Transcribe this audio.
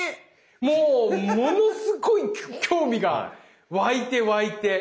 もうものすごい興味が湧いて湧いて。